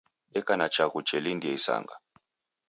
Deka na chaghu chelindia isanga